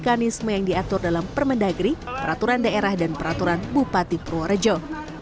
mekanisme yang diatur dalam permendagri peraturan daerah dan peraturan bupati purworejo